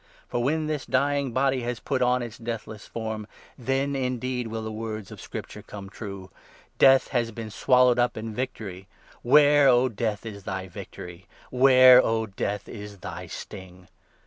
And, when this dying body 54 has put on its deathless form, then indeed will the words of Scripture come true —' Death has been swallowed up in victory ! Where, O 55 Death, is thy victory ? Where, O Death, is thy sting